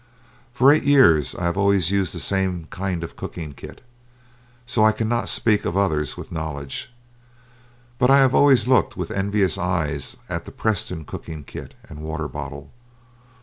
For eight years I always have used the same kind of cooking kit, so I cannot speak of others with knowledge; but I have always looked with envious eyes at the Preston cooking kit and water bottle.